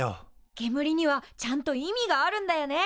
けむりにはちゃんと意味があるんだよね。